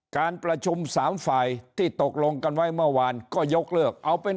การประชุมสามฝ่ายที่ตกลงกันไว้เมื่อวาน